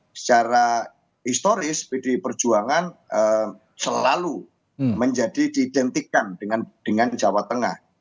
secara historis pdi perjuangan selalu menjadi diidentikan dengan jawa tengah